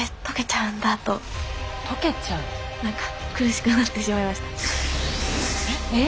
なんか苦しくなってしまいました。